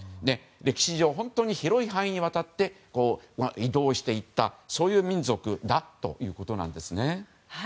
歴史上、本当に広い範囲にわたって移動していったそういう民族だということなんですね。